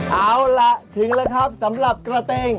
เอาล่ะถึงแล้วครับสำหรับกระเตง